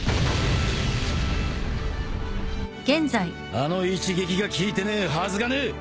あの一撃が効いてねえはずがねえ！